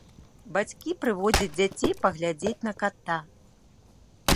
Бацькі прыводзяць дзяцей паглядзець на ката.